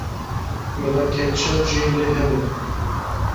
Bila ketçap jî lê hebe.